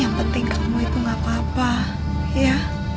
yang penting kamu itu gak apa apa ya